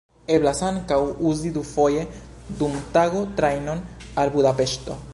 Eblas ankaŭ uzi dufoje dum tago trajnon al Budapeŝto.